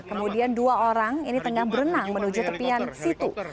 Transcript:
kemudian dua orang ini tengah berenang menuju tepian situ